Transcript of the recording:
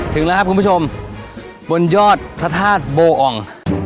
ถึงแล้วครับคุณผู้ชมบนยอดพระธาตุโบออง